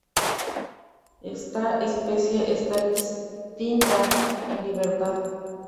Esta especie está extinta en libertad.